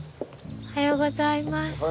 おはようございます。